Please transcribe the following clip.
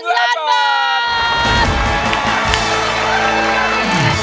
๑ล้านบอต